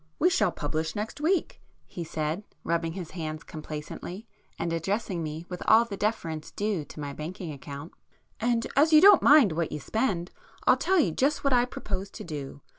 "We shall publish next week,"—he said, rubbing his hands complacently, and addressing me with all the deference due to my banking account—"And as you don't mind what you spend, I'll tell you just what I propose to do.